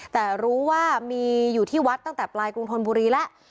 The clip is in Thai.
แต่รู้ว่ามีอยู่ที่วัดตั้งแต่ปลายกรุงธนบุรีแล้ว